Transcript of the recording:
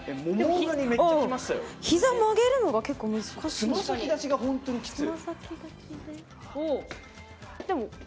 ひざ曲げるのが結構難しい。